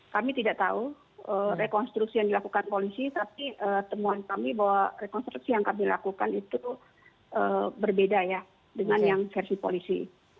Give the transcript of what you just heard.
kami tidak tahu rekonstruksi yang dilakukan polisi tapi temuan kami bahwa rekonstruksi yang kami lakukan itu berbeda ya dengan yang versi polisi